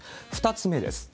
２つ目です。